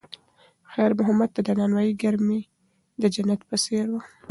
خیر محمد ته د نانوایۍ ګرمي د جنت په څېر وه.